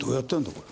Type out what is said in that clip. これ。